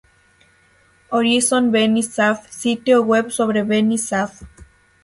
Horizon Beni Saf: sitio Web sobre Beni Saf.